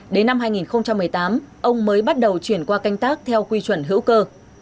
đến năm hai nghìn một mươi tám ông mới bắt đầu chuyển qua canh tác theo quy chuẩn hữu cơ